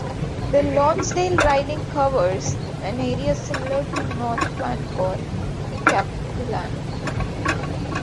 The Lonsdale riding covers an area similar to North Vancouver-Capilano.